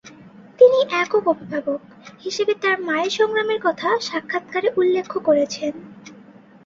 তিনি একক অভিভাবক হিসেবে তার মায়ের সংগ্রামের কথা সাক্ষাৎকারে উল্লেখ করেছেন।